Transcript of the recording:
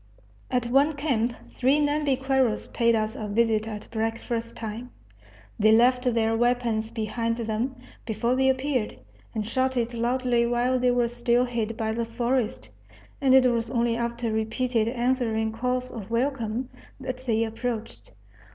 At one camp three Nhambiquaras paid us a visit at breakfast time. They left their weapons behind them before they appeared, and shouted loudly while they were still hid by the forest, and it was only after repeated answering calls of welcome that they approached.